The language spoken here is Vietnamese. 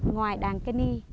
ngoài đàng kê ni